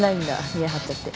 見え張っちゃって。